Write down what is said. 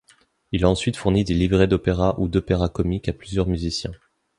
Il a ensuite fourni des livrets d’opéra ou d’opéra comique à plusieurs musiciens.